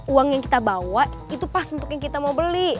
uang yang kita bawa itu pas untuk yang kita mau beli